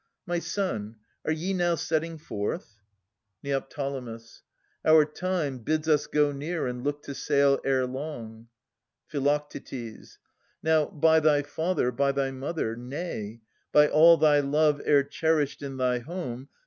My son, are ye now setting forth ? Neo. Our time Bids us go near and look to sail erelong. Phi. Now, by thy father, by thy mother, — nay. By all thy love e'er cherished in thy home.